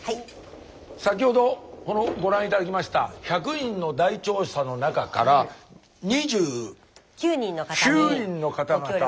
先ほどご覧頂きました１００人の大調査の中から２９人の方々。